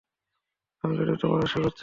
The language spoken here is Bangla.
আমি শুধু তোমার আশীর্বাদ চাই।